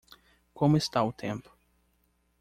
Como está o tempo?